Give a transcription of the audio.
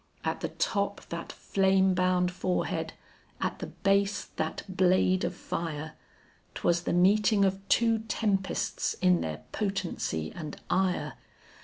At the top that flame bound forehead, at the base that blade of fire 'Twas the meeting of two tempests in their potency and ire.